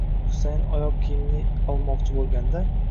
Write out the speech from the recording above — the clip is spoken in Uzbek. Husayin oyoq kiyimini olmoqchi bo'lganda